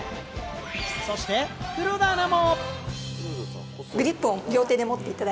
そして黒田アナも。